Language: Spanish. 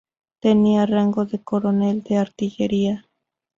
Tenía rango de coronel de artillería.